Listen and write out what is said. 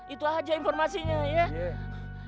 itu aja informasinya ya